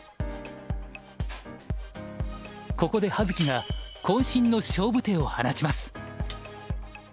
ここで葉月がこん身の勝負手を放ちます。